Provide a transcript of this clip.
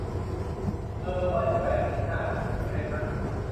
เอ้อ ว่าจะไปอาทิตย์หน้า มึงจะไปด้วยมะ